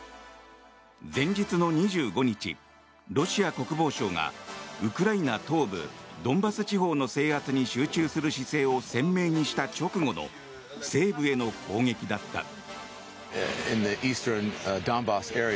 前日の２５日、ロシア国防省がウクライナ東部ドンバス地方の制圧に集中する姿勢を鮮明にした直後の西部への攻撃だった。